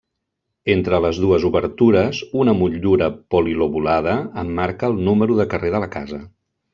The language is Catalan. Entre les dues obertures una motllura polilobulada emmarca el número de carrer de la casa.